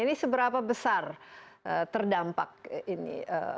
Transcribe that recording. ini seberapa besar terdampak ini